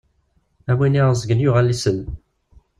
Am win iɛuẓẓgen yuɣal isell.